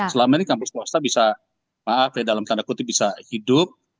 selama ini kampus swasta bisa maaf ya dalam tanda kutip bisa hidup